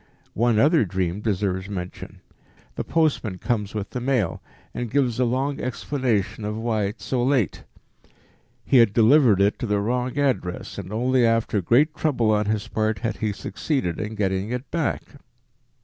One other dream deserves mention: The postman comes with the mail and gives a long explanation of why it is so late; he had delivered it to the wrong address and only after great trouble on his part had succeeded in getting it back.